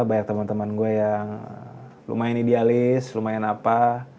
banyak teman teman gue yang lumayan idealis lumayan apa